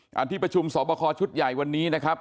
การที่ประชุมสอบคอชุดใหญ่วันนี้นะครับ